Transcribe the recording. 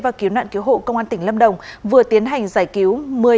và cứu nạn cứu hộ công an tỉnh lâm đồng vừa tiến hành giải cứu